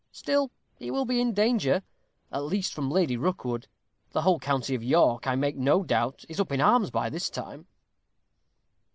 Still he will be in danger, at least from Lady Rookwood. The whole county of York, I make no doubt, is up in arms by this time."